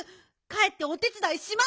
かえってお手つだいします。